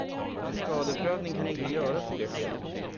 En skadeprövning kan inte göras i det skedet.